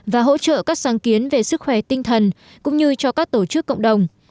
và hỗ trợ các sáng kiến về sức khỏe tinh thần cũng như cho các tổ chức cộng đồng